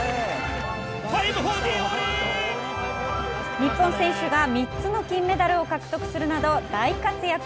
日本選手が、３つの金メダルを獲得するなど大活躍。